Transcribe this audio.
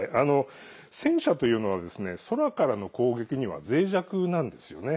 戦車というのは空からの攻撃にはぜい弱なんです。